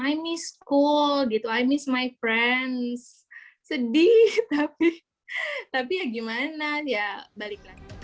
i miss school i miss my friends sedih tapi ya gimana ya balik lagi